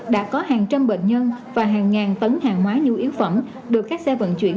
đã có hàng trăm bệnh nhân và hàng ngàn tấn hàng hóa nhu yếu phẩm được các xe vận chuyển